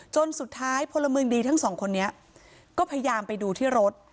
จนสุดท้ายพลเมืองดีทั้งสองคนนี้ก็พยายามไปดูที่รถ